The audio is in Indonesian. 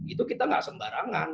itu kita gak sembarangan